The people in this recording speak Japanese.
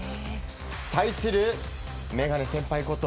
対するメガネ先輩こと